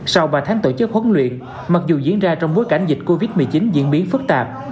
sau ba tháng tổ chức huấn luyện mặc dù diễn ra trong bối cảnh dịch covid một mươi chín diễn biến phức tạp